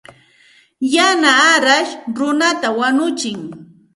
Yana arash runata wañutsin.